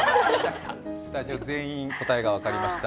スタジオ全員答えが分かりました。